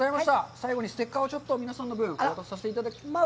最後にステッカーを皆さんの分、お渡しいたします。